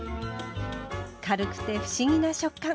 軽くて不思議な食感！